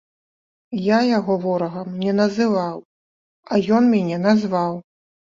Я яго ворагам не называў, а ён мяне назваў!